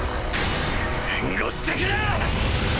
援護してくれ！